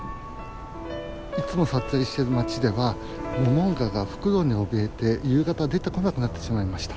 いつも撮影している町ではモモンガがフクロウにおびえて夕方出てこなくなってしまいました。